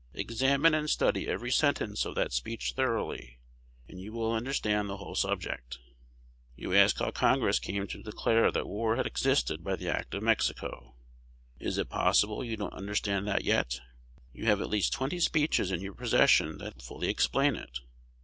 Examine and study every sentence of that speech thoroughly, and you will understand the whole subject. You ask how Congress came to declare that war had existed by the act of Mexico. Is it possible you don't understand that yet? You have at least twenty speeches in your possession that fully explain it.